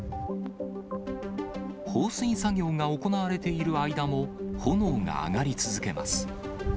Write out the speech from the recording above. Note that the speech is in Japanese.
放水作業が行われている間も、炎が上がり続けます。